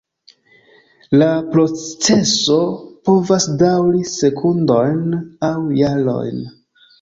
La proceso povas daŭri sekundojn aŭ jarojn.